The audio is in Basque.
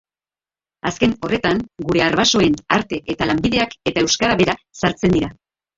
Azken horretan, gure arbasoen arte eta lanbideak eta euskara bera sartzen dira.